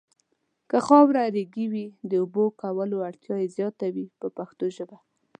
که خاوره ریګي وي د اوبو کولو اړتیا یې زیاته وي په پښتو ژبه.